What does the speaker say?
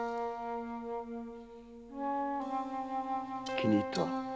気に入った。